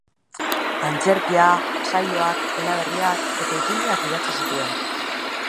Antzerkia, saioak, eleberriak eta ipuinak idatzi zituen.